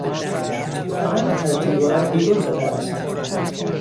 تیرآهن از دیوار بیرون زده است.